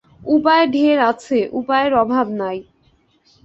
উপায় ঢের আছে–উপায়ের অভাব নাই।